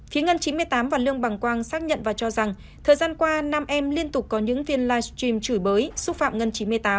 phía ngân chín mươi tám và lương bằng quang xác nhận và cho rằng thời gian qua nam em liên tục có những phiên livestream chửi bới xúc phạm ngân chín mươi tám